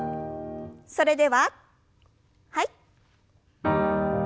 それでははい。